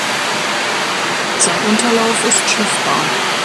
Sein Unterlauf ist schiffbar.